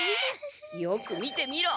よく見てみろ。